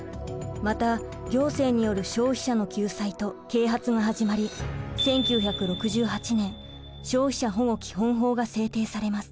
また行政による消費者の救済と啓発が始まり１９６８年消費者保護基本法が制定されます。